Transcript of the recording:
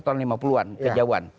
tahun lima puluh an kejauhan